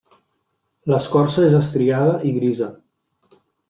L'escorça és estriada i grisa.